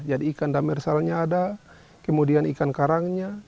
jadi ikan damersalnya ada kemudian ikan karangnya